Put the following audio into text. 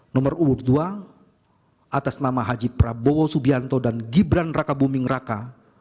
nomor urut dua atas nama haji prabowo subianto dan gibran raka buming raka